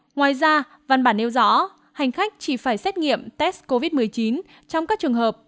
ngoài ra văn bản nêu rõ hành khách chỉ phải xét nghiệm test covid một mươi chín trong các trường hợp